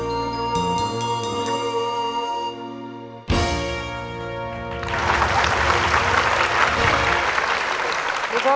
เปลี่ยนเพลงเก่งของคุณและข้ามผิดได้๑คำ